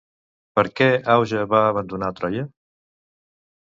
Per què Auge va abandonar Troia?